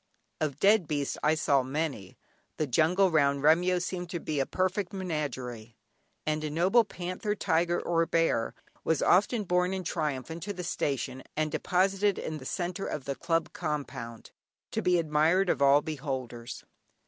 Of dead beasts I saw many. The jungle round Remyo seemed to be a perfect menagerie, and a noble panther, tiger or bear was often borne in triumph into the station and deposited in the centre of the Club compound, to be admired of all beholders.